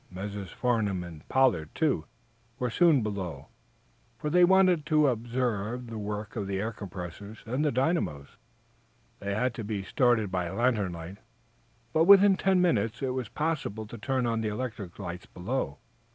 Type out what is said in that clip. Messrs. Farnum and Pollard, too, were soon below, for they wanted to observe the work of the air compressors and the dynamos. The work had to be started by lantern light, but, within ten minutes, it was possible to turn on electric lights below.